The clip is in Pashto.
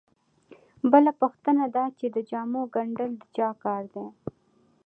بله پوښتنه دا چې د جامو ګنډل د چا کار دی